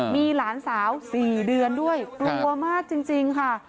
มีหลานสาว๔เดือนด้วยกลัวมากจริงค่ะ